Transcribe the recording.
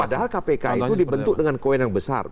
padahal kpk itu dibentuk dengan koin yang besar